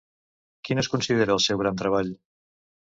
Quin es considera el seu gran treball?